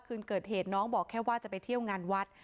คืนเกิดเหตุน้องบอกแค่ว่าจะไปเที่ยวงานวัด